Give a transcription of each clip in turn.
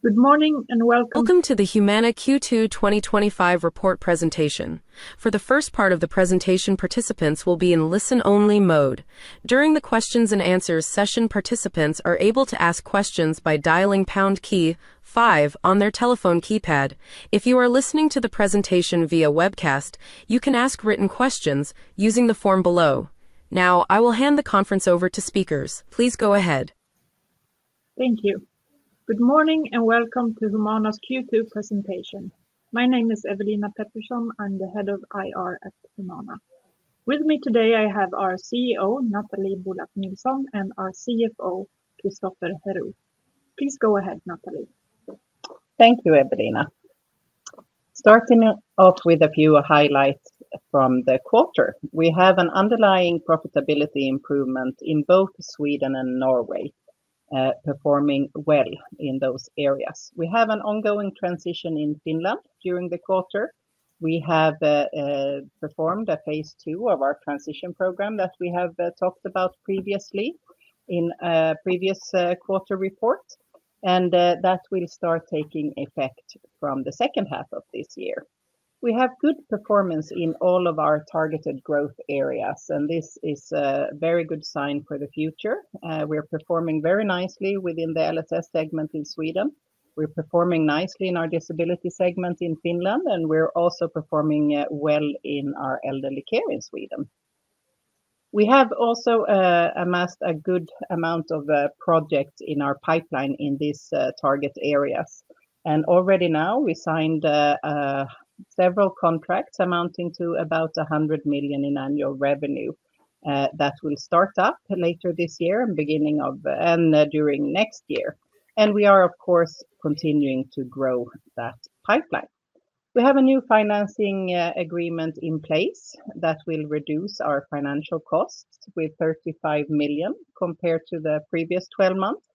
Good morning and welcome to the Humana Q2 2025 report presentation. For the first part of the presentation, participants will be in listen-only mode. During the questions-and-answers session, participants are able to ask questions by dialing the pound key five on their telephone keypad. If you are listening to the presentation via webcast, you can ask written questions using the form below. Now, I will hand the conference over to speakers. Please go ahead. Thank you. Good morning and welcome to Humana's Q2 presentation. My name is Ewelina Pettersson. I'm the Head of IR at Humana. With me today, I have our CEO, Nathalie Boulas Nilsson, and our CFO, Christoffer Herou. Please go ahead, Nathalie. Thank you, Ewelina. Starting off with a few highlights from the quarter, we have an underlying profitability improvement in both Sweden and Norway, performing well in those areas. We have an ongoing transition in Finland during the quarter. We have performed a phase two of our transition program that we have talked about previously in a previous quarter report, and that will start taking effect from the second half of this year. We have good performance in all of our targeted growth areas, and this is a very good sign for the future. We're performing very nicely within the LSS segment in Sweden. We're performing nicely in our disability segment in Finland, and we're also performing well in our elderly care in Sweden. We have also amassed a good amount of projects in our pipeline in these target areas, and already now we signed several contracts amounting to about 100 million in annual revenue. That will start up later this year and beginning of and during next year, and we are, of course, continuing to grow that pipeline. We have a new financing agreement in place that will reduce our financial costs by 35 million compared to the previous 12 months.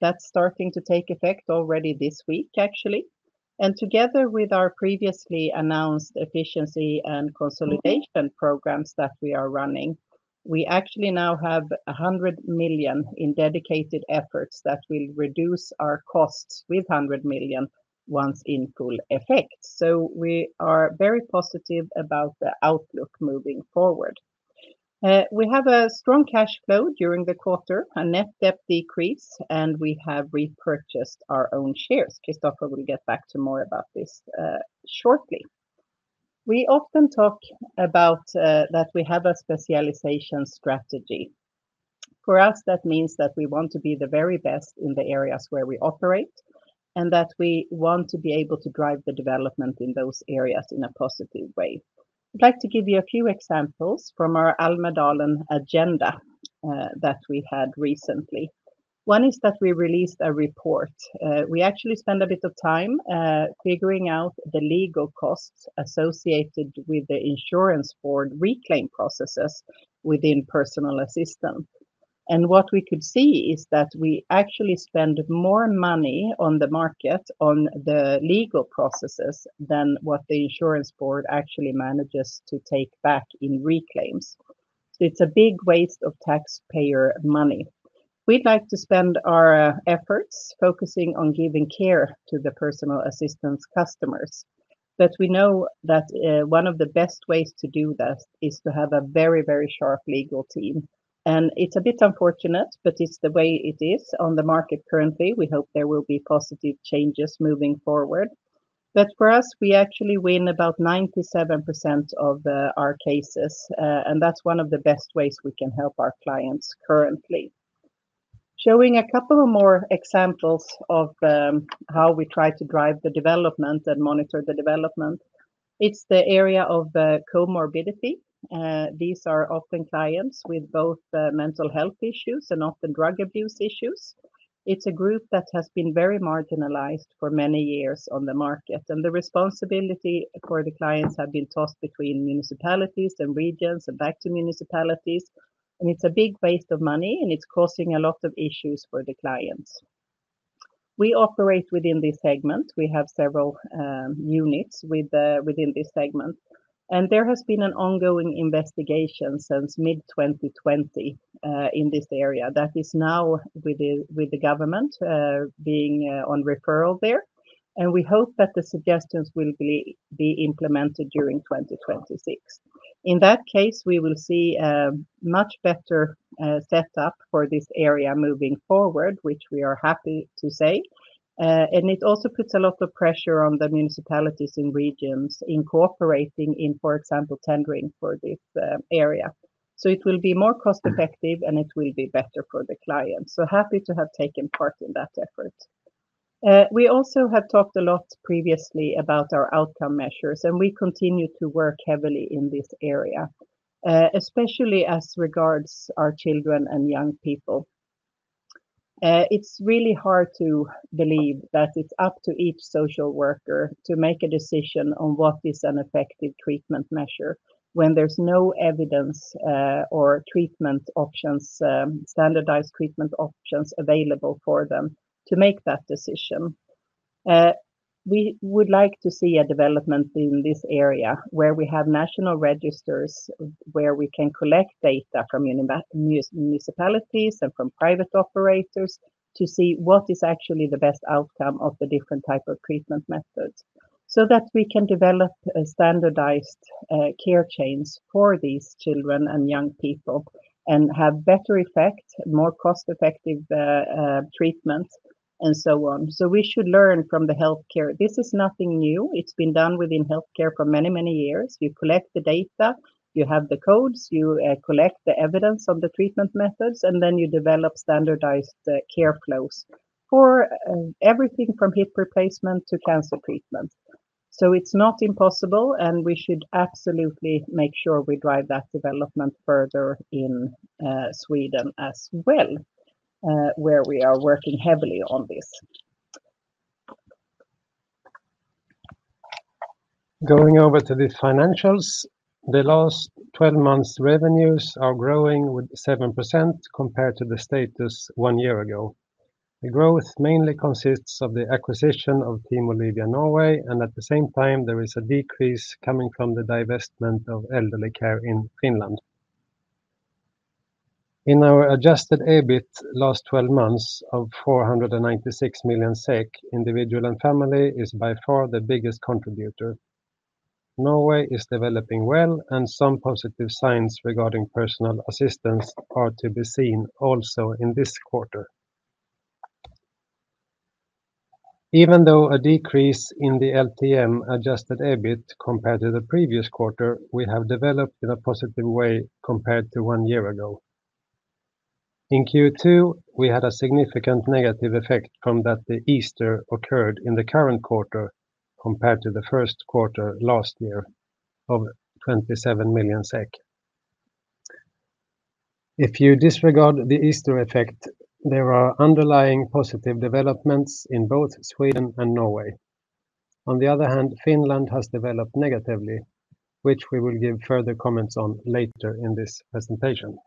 That's starting to take effect already this week, actually. Together with our previously announced efficiency and consolidation programs that we are running, we actually now have 100 million in dedicated efforts that will reduce our costs by 100 million once in full effect. We are very positive about the outlook moving forward. We have a strong cash flow during the quarter, a net debt decrease, and we have repurchased our own shares. Christoffer will get back to more about this shortly. We often talk about that we have a specialization strategy. For us, that means that we want to be the very best in the areas where we operate and that we want to be able to drive the development in those areas in a positive way. I'd like to give you a few examples from our Almedalen agenda that we had recently. One is that we released a report. We actually spent a bit of time figuring out the legal costs associated with the insurance board reclaim processes within personal assistance. What we could see is that we actually spend more money on the market on the legal processes than what the insurance board actually manages to take back in reclaims. It is a big waste of taxpayer money. We'd like to spend our efforts focusing on giving care to the personal assistance customers, but we know that one of the best ways to do that is to have a very, very sharp legal team. It's a bit unfortunate, but it's the way it is on the market currently. We hope there will be positive changes moving forward. For us, we actually win about 97% of our cases, and that's one of the best ways we can help our clients currently. Showing a couple more examples of how we try to drive the development and monitor the development, it's the area of comorbidity. These are often clients with both mental health issues and often drug abuse issues. It's a group that has been very marginalized for many years on the market, and the responsibility for the clients has been tossed between municipalities and regions and back to municipalities. It's a big waste of money, and it's causing a lot of issues for the clients. We operate within this segment. We have several units within this segment, and there has been an ongoing investigation since mid-2020 in this area that is now with the government being on referral there. We hope that the suggestions will be implemented during 2026. In that case, we will see a much better setup for this area moving forward, which we are happy to say. It also puts a lot of pressure on the municipalities and regions incorporating in, for example, tendering for this area. It will be more cost-effective, and it will be better for the clients. Happy to have taken part in that effort. We also have talked a lot previously about our outcome measures, and we continue to work heavily in this area, especially as regards our children and young people. It's really hard to believe that it's up to each social worker to make a decision on what is an effective treatment measure when there's no evidence or treatment options, standardized treatment options available for them to make that decision. We would like to see a development in this area where we have national registers where we can collect data from municipalities and from private operators to see what is actually the best outcome of the different types of treatment methods so that we can develop standardized care chains for these children and young people and have better effect, more cost-effective treatments, and so on. We should learn from the healthcare. This is nothing new. It's been done within healthcare for many, many years. You collect the data, you have the codes, you collect the evidence on the treatment methods, and then you develop standardized care flows for everything from hip replacement to cancer treatments. It is not impossible, and we should absolutely make sure we drive that development further in Sweden as well, where we are working heavily on this. Going over to the financials, the last 12 months' revenues are growing with 7% compared to the status one year ago. The growth mainly consists of the acquisition of Team Olivia Norway, and at the same time, there is a decrease coming from the divestment of elderly care in Finland. In our adjusted EBIT last 12 months of 496 million SEK, individual and family is by far the biggest contributor. Norway is developing well, and some positive signs regarding personal assistance are to be seen also in this quarter. Even though a decrease in the LTM adjusted EBIT compared to the previous quarter, we have developed in a positive way compared to one year ago. In Q2, we had a significant negative effect from that the Easter occurred in the current quarter compared to the first quarter last year of 27 million SEK. If you disregard the Easter effect, there are underlying positive developments in both Sweden and Norway. On the other hand, Finland has developed negatively, which we will give further comments on later in this presentation.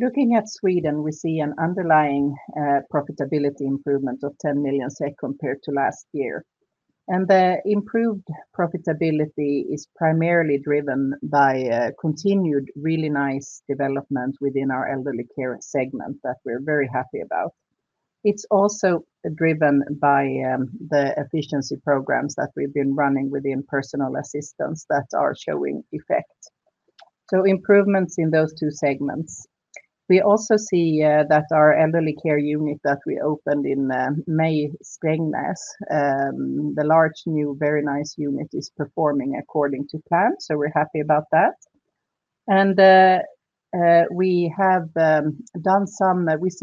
Looking at Sweden, we see an underlying profitability improvement of 10 million SEK compared to last year. The improved profitability is primarily driven by continued really nice developments within our elderly care segment that we're very happy about. It's also driven by the efficiency programs that we've been running within personal assistance that are showing effect. Improvements in those two segments. We also see that our elderly care unit that we opened in May, Strängnäs, the large new very nice unit, is performing according to plan. We're happy about that. We see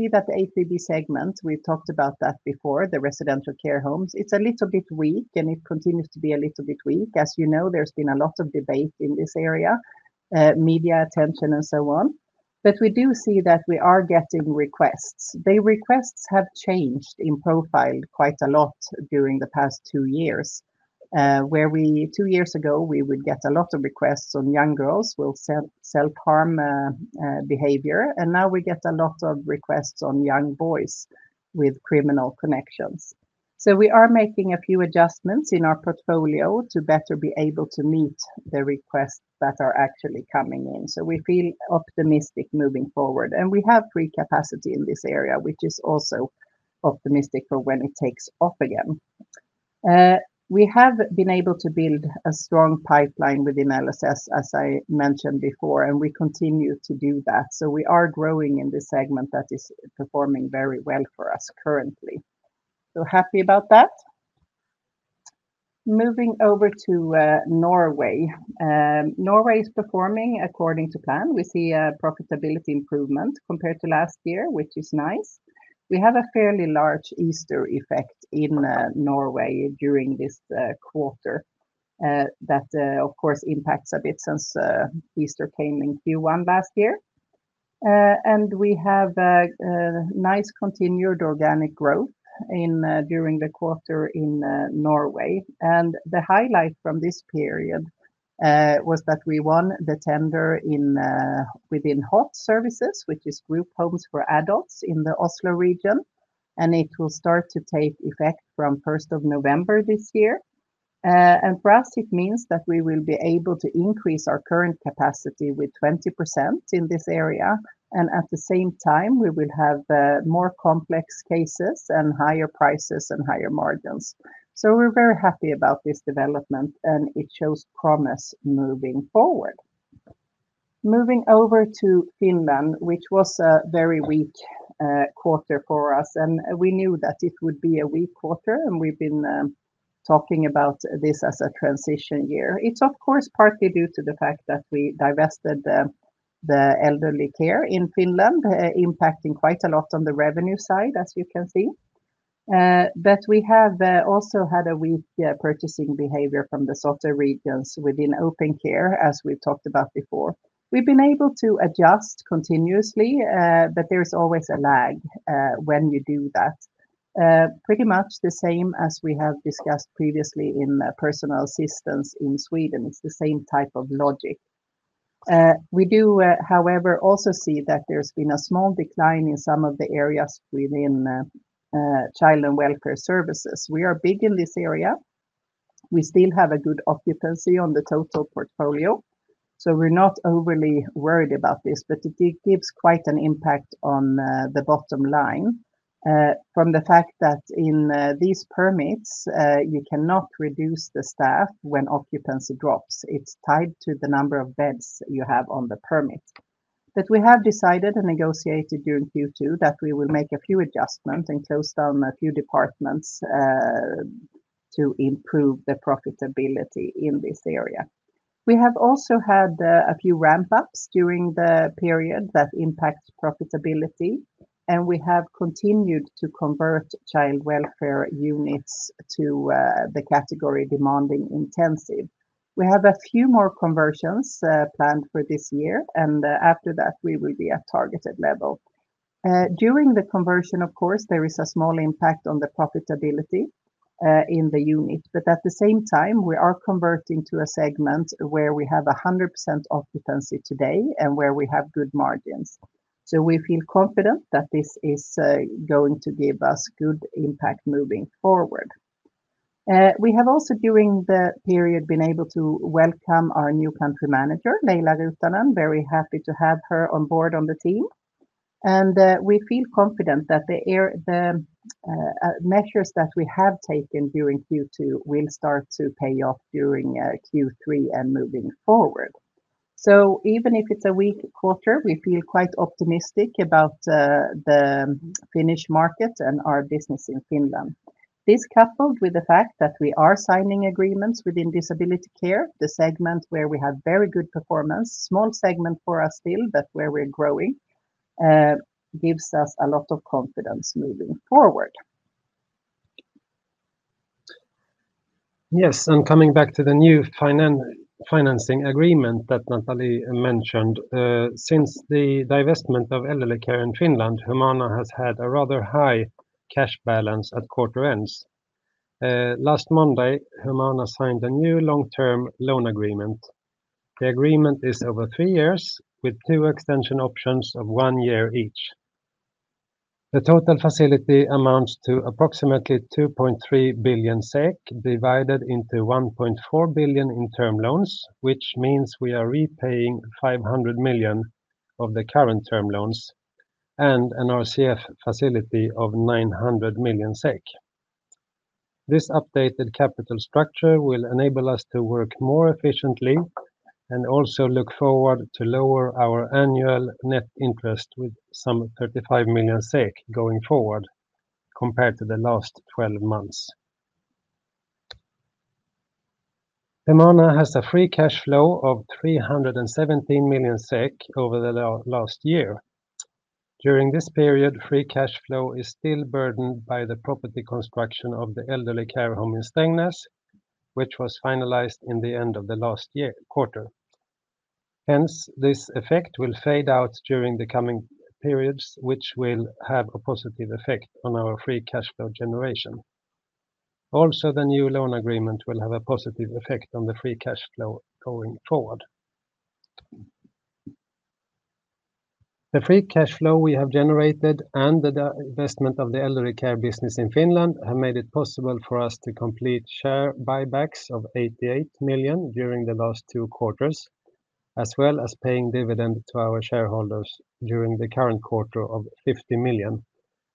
that the HVB segment, we've talked about that before, the residential care homes, it's a little bit weak and it continues to be a little bit weak. As you know, there's been a lot of debate in this area, media attention and so on. We do see that we are getting requests. The requests have changed in profile quite a lot during the past two years. Two years ago, we would get a lot of requests on young girls with self-harm behavior, and now we get a lot of requests on young boys with criminal connections. We are making a few adjustments in our portfolio to better be able to meet the requests that are actually coming in. We feel optimistic moving forward. We have free capacity in this area, which is also optimistic for when it takes off again. We have been able to build a strong pipeline within LSS, as I mentioned before, and we continue to do that. We are growing in this segment that is performing very well for us currently. We're happy about that. Moving over to Norway. Norway is performing according to plan. We see a profitability improvement compared to last year, which is nice. We have a fairly large Easter effect in Norway during this quarter that, of course, impacts a bit since Easter came in Q1 last year. We have a nice continued organic growth during the quarter in Norway. The highlight from this period was that we won the tender within group homes for adults in the Oslo region, and it will start to take effect from 1st of November this year. For us, it means that we will be able to increase our current capacity by 20% in this area. At the same time, we will have more complex cases and higher prices and higher margins. We're very happy about this development, and it shows promise moving forward. Moving over to Finland, which was a very weak quarter for us, and we knew that it would be a weak quarter, and we've been talking about this as a transition year. It's, of course, partly due to the fact that we divested the elderly care in Finland, impacting quite a lot on the revenue side, as you can see. We have also had a weak purchasing behavior from the softer regions within open care, as we've talked about before. We've been able to adjust continuously, but there is always a lag when you do that. Pretty much the same as we have discussed previously in personal assistance in Sweden. It's the same type of logic. We do, however, also see that there's been a small decline in some of the areas within child welfare services. We are big in this area. We still have a good occupancy on the total portfolio. We are not overly worried about this, but it gives quite an impact on the bottom line from the fact that in these permits, you cannot reduce the staff when occupancy drops. It's tied to the number of beds you have on the permit. We have decided and negotiated during Q2 that we will make a few adjustments and close down a few departments to improve the profitability in this area. We have also had a few ramp-ups during the period that impact profitability, and we have continued to convert child welfare units to the category demanding intensive. We have a few more conversions planned for this year, and after that, we will be at targeted level. During the conversion, of course, there is a small impact on the profitability in the unit, but at the same time, we are converting to a segment where we have 100% occupancy today and where we have good margins. We feel confident that this is going to give us good impact moving forward. We have also, during the period, been able to welcome our new Country Manager, Leila Rutanen. Very happy to have her on board on the team. We feel confident that the measures that we have taken during Q2 will start to pay off during Q3 and moving forward. Even if it's a weak quarter, we feel quite optimistic about the Finnish market and our business in Finland. This coupled with the fact that we are signing agreements within disability care, the segment where we have very good performance, small segment for us still, but where we're growing, gives us a lot of confidence moving forward. Yes, and coming back to the new financing agreement that Nathalie mentioned, since the divestment of elderly care in Finland, Humana has had a rather high cash balance at quarter ends. Last Monday, Humana signed a new long-term loan agreement. The agreement is over three years with two extension options of one year each. The total facility amounts to approximately 2.3 billion SEK, divided into 1.4 billion in term loans, which means we are repaying 500 million of the current term loans and an RCF facility of 900 million SEK. This updated capital structure will enable us to work more efficiently and also look forward to lower our annual net interest with some 35 million SEK going forward compared to the last 12 months. Humana has a free cash flow of 317 million SEK over the last year. During this period, free cash flow is still burdened by the property construction of the elderly care home in Strängnäs, which was finalized in the end of the last quarter. Hence, this effect will fade out during the coming periods, which will have a positive effect on our free cash flow generation. Also, the new loan agreement will have a positive effect on the free cash flow going forward. The free cash flow we have generated and the divestment of the elderly care business in Finland have made it possible for us to complete share buybacks of 88 million during the last two quarters, as well as paying dividends to our shareholders during the current quarter of 50 million,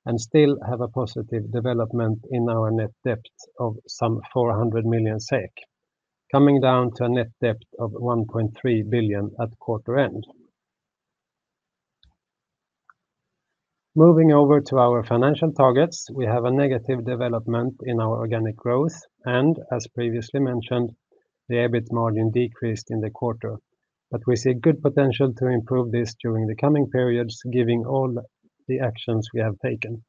and still have a positive development in our net debt of some 400 million SEK, coming down to a net debt of 1.3 billion at quarter end. Moving over to our financial targets, we have a negative development in our organic growth, and as previously mentioned, the EBIT margin decreased in the quarter, but we see good potential to improve this during the coming periods, given all the actions we have taken.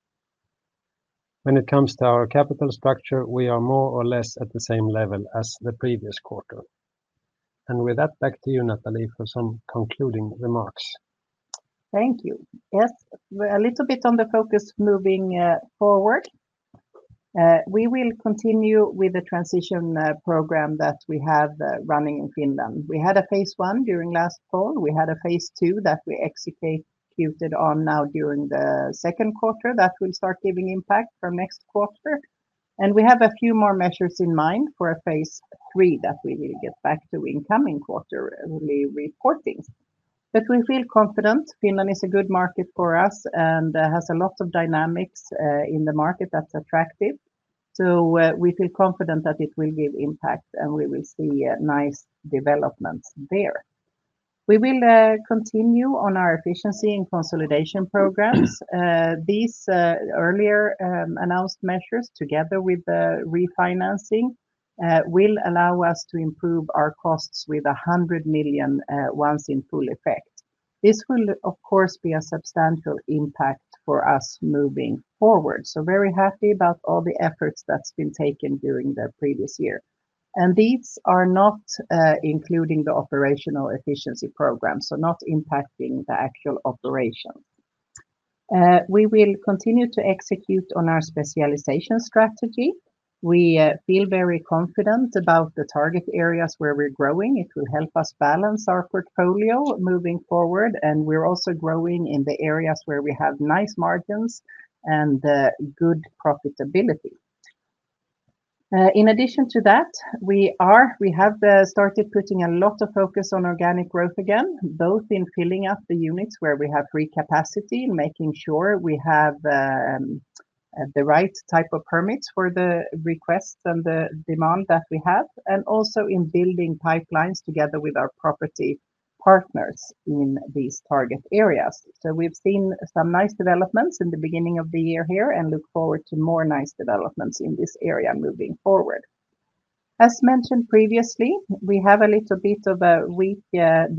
When it comes to our capital structure, we are more or less at the same level as the previous quarter. With that, back to you, Nathalie, for some concluding remarks. Thank you. Yes, we're a little bit on the focus moving forward. We will continue with the transition program that we have running in Finland. We had a phase one during last fall. We had a phase two that we executed on now during the second quarter that will start giving impact from next quarter. We have a few more measures in mind for a phase three that we will get back to in the coming quarterly reportings. We feel confident Finland is a good market for us and has a lot of dynamics in the market that's attractive. We feel confident that it will give impact and we will see nice developments there. We will continue on our efficiency and consolidation programs. These earlier announced measures, together with the refinancing, will allow us to improve our costs with 100 million once in full effect. This will, of course, be a substantial impact for us moving forward. Very happy about all the efforts that's been taken during the previous year. These are not including the operational efficiency program, so not impacting the actual operation. We will continue to execute on our specialization strategy. We feel very confident about the target areas where we're growing. It will help us balance our portfolio moving forward, and we're also growing in the areas where we have nice margins and good profitability. In addition to that, we have started putting a lot of focus on organic growth again, both in filling up the units where we have free capacity, making sure we have the right type of permits for the requests and the demand that we have, and also in building pipelines together with our property partners in these target areas. We've seen some nice developments in the beginning of the year here and look forward to more nice developments in this area moving forward. As mentioned previously, we have a little bit of a weak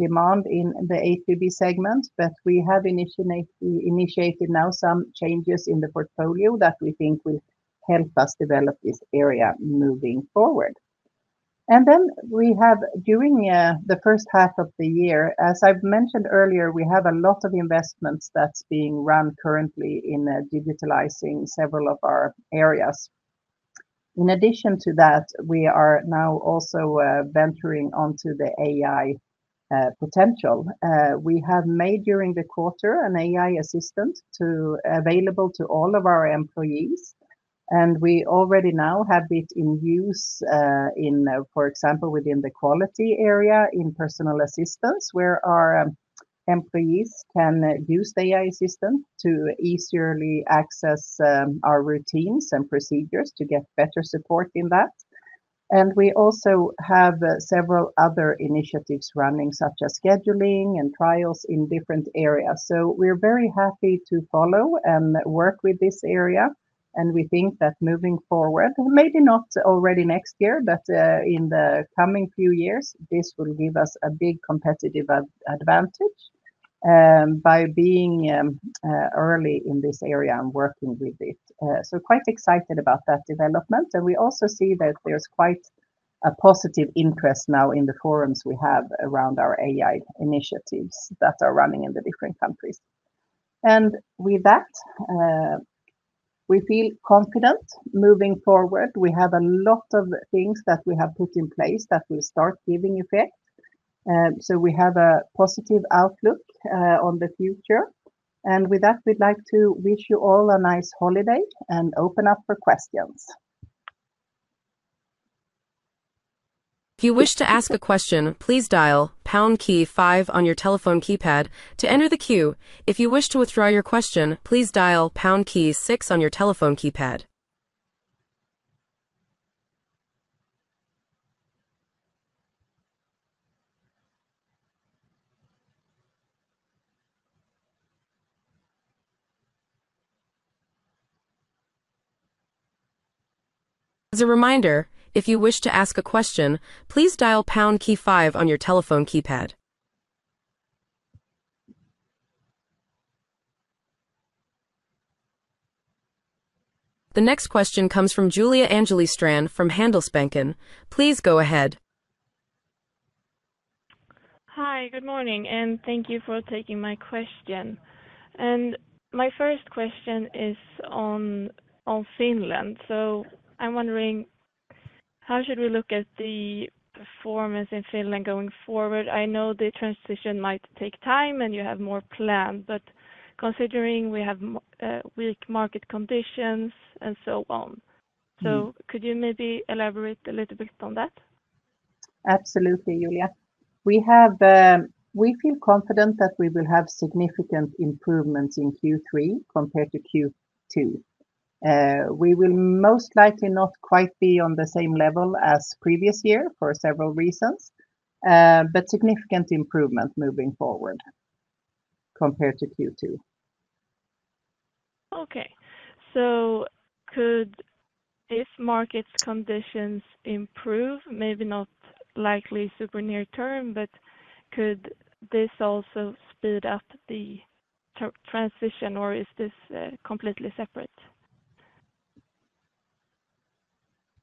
demand in the HVB segment, but we have initiated now some changes in the portfolio that we think will help us develop this area moving forward. During the first half of the year, as I've mentioned earlier, we have a lot of investments that's being run currently in digitalizing several of our areas. In addition to that, we are now also venturing onto the AI potential. We have made during the quarter an AI assistant available to all of our employees, and we already now have it in use, for example, within the quality area in personal assistance, where our employees can use the AI assistant to easily access our routines and procedures to get better support in that. We also have several other initiatives running, such as scheduling and trials in different areas. We are very happy to follow and work with this area. We think that moving forward, maybe not already next year, but in the coming few years, this will give us a big competitive advantage by being early in this area and working with it. We are quite excited about that development. We also see that there's quite a positive interest now in the forums we have around our AI initiatives that are running in the different countries. With that, we feel confident moving forward. We have a lot of things that we have put in place that will start giving effect. We have a positive outlook on the future. With that, we'd like to wish you all a nice holiday and open up for questions. If you wish to ask a question, please dial pound key five on your telephone keypad to enter the queue. If you wish to withdraw your question, please dial pound key six on your telephone keypad. As a reminder, if you wish to ask a question, please dial pound key five on your telephone keypad. The next question comes from Julia Angeli Strand from Handelsbanken. Please go ahead. Hi, good morning, and thank you for taking my question. My first question is on Finland. I'm wondering, how should we look at the performance in Finland going forward? I know the transition might take time and you have more planned, considering we have weak market conditions and so on. Could you maybe elaborate a little bit on that? Absolutely, Julia. We feel confident that we will have significant improvements in Q3 compared to Q2. We will most likely not quite be on the same level as previous year for several reasons, but significant improvement moving forward compared to Q2. Could, if market conditions improve, maybe not likely super near term, could this also speed up the transition, or is this completely separate?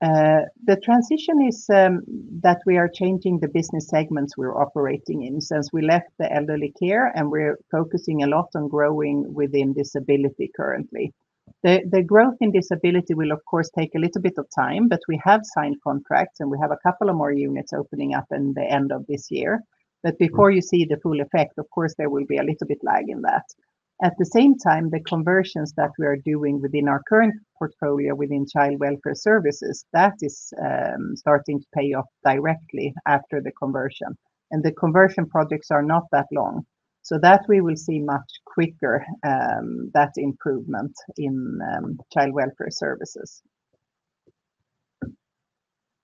The transition is that we are changing the business segments we're operating in since we left the elderly care, and we're focusing a lot on growing within disability currently. The growth in disability will, of course, take a little bit of time. We have signed contracts, and we have a couple of more units opening up in the end of this year. Before you see the full effect, of course, there will be a little bit lag in that. At the same time, the conversions that we are doing within our current portfolio within child welfare services, that is starting to pay off directly after the conversion. The conversion projects are not that long, so we will see much quicker that improvement in child welfare services.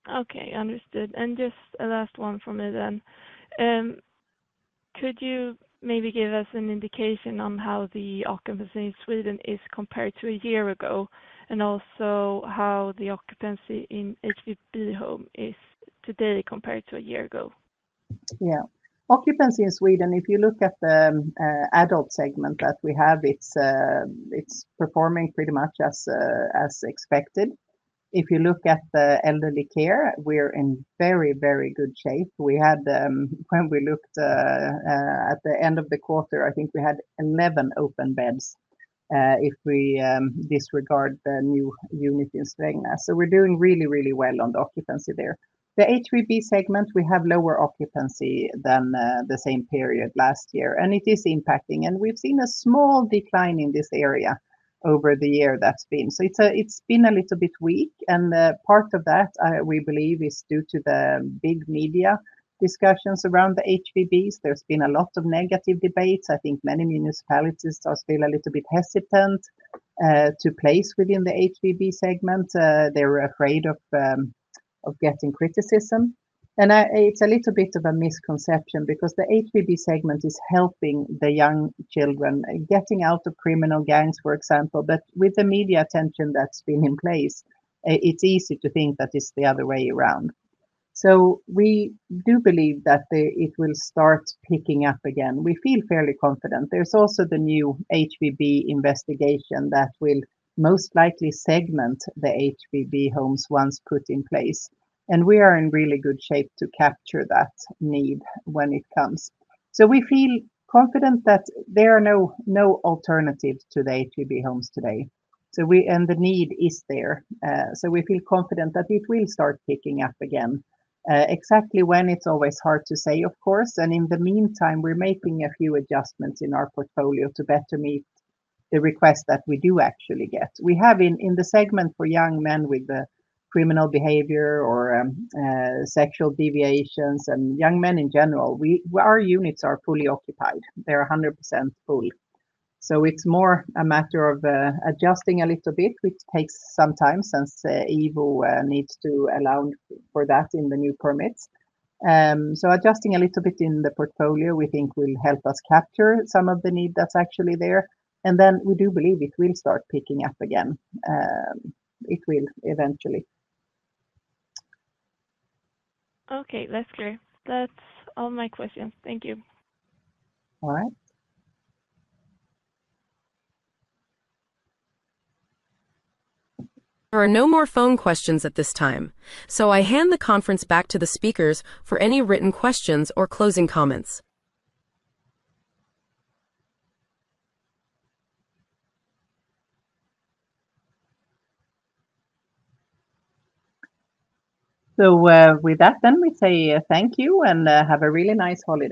Okay, understood. Just a last one from me then. Could you maybe give us an indication on how the occupancy in Sweden is compared to a year ago, and also how the occupancy in HVB home is today compared to a year ago? Yeah. Occupancy in Sweden, if you look at the adult segment that we have, it's performing pretty much as expected. If you look at the elderly care, we're in very, very good shape. We had, when we looked at the end of the quarter, I think we had 11 open beds if we disregard the new unit in Strängnäs. We're doing really, really well on the occupancy there. The HVB segment, we have lower occupancy than the same period last year, and it is impacting. We've seen a small decline in this area over the year that's been. It's been a little bit weak. Part of that, we believe, is due to the big media discussions around the HVBs. There's been a lot of negative debates. I think many municipalities are still a little bit hesitant to place within the HVB segment. They're afraid of getting criticism. It's a little bit of a misconception because the HVB segment is helping the young children, getting out of criminal gangs, for example. With the media attention that's been in place, it's easy to think that it's the other way around. We do believe that it will start picking up again. We feel fairly confident. There's also the new HVB investigation that will most likely segment the HVB homes once put in place. We are in really good shape to capture that need when it comes. We feel confident that there are no alternatives to the HVB homes today, and the need is there. We feel confident that it will start picking up again. Exactly when, it's always hard to say, of course. In the meantime, we're making a few adjustments in our portfolio to better meet the requests that we do actually get. We have in the segment for young men with the criminal behavior or sexual deviations and young men in general, our units are fully occupied. They're 100% full. It's more a matter of adjusting a little bit, which takes some time since EWU needs to allow for that in the new permits. Adjusting a little bit in the portfolio, we think will help us capture some of the need that's actually there. We do believe it will start picking up again. It will eventually. Okay, that's great. That's all my questions. Thank you. All right. There are no more phone questions at this time. I hand the conference back to the speakers for any written questions or closing comments. Thank you and have a really nice holiday.